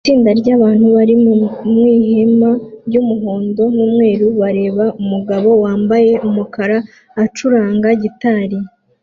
Itsinda ryabantu bari mwihema ryumuhondo numweru bareba umugabo wambaye umukara acuranga gitari